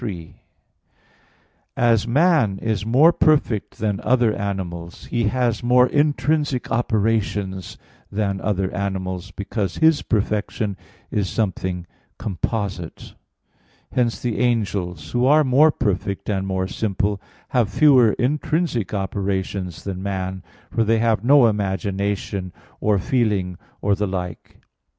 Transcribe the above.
3: As man is more perfect than other animals, he has more intrinsic operations than other animals, because his perfection is something composite. Hence the angels, who are more perfect and more simple, have fewer intrinsic operations than man, for they have no imagination, or feeling, or the like.